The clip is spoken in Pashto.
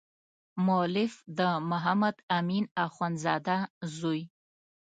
مؤلف د محمد امین اخندزاده زوی.